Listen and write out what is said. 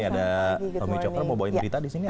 ini ada tommy cokro mau bawa cerita disini